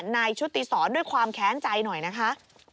ชุติศรด้วยความแค้นใจหน่อยนะคะ